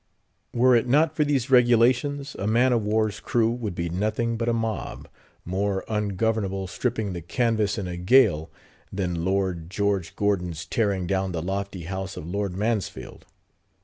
Were it not for these regulations a man of war's crew would be nothing but a mob, more ungovernable stripping the canvas in a gale than Lord George Gordon's tearing down the lofty house of Lord Mansfield.